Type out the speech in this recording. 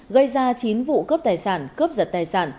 gây ra chín vụ cướp tài sản cướp giật tài sản